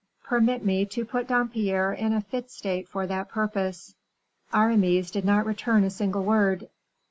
Permit me to put Dampierre in a fit state for that purpose.'" Aramis did not return a single word.